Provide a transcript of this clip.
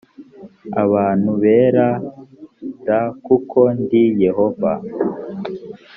abantu bera d kuko ndi yehova